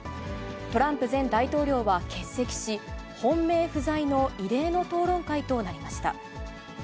トランプ前大統領は欠席し、本命不在の異例の討論会となりました。